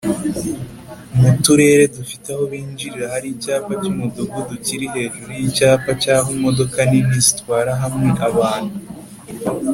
muturere dufite aho binjirira hari Icyapa cy’umudugudu kiri hejuru y’icyapa cy’aho Imodoka nini zitwara hamwe abantu